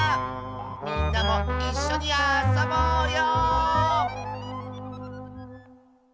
みんなもいっしょにあそぼうよ！